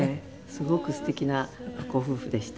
すごくすてきなご夫婦でした。